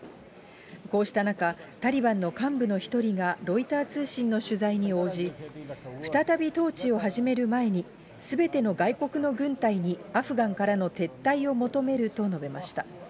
こうした中、タリバンの幹部の一人がロイター通信の取材に応じ、再び統治を始める前に、すべての外国の軍隊にアフガンからの撤退を求めると述べました。